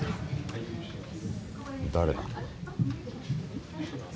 誰だ？